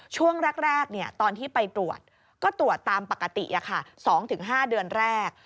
ช่วงแรกตอนที่ไปตรวจก็ตรวจตามปกติ๒๕เดือนแรก